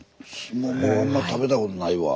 スモモあんま食べたことないわ。